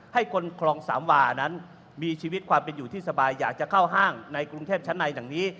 ให้คนคลองสามวานั้นมีชีวิตความเป็นอยู่ที่สบายอยากจะเข้าห้างในกรุงเทพชั้นในดังนี้